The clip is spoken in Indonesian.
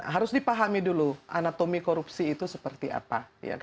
harus dipahami dulu anatomi korupsi itu seperti apa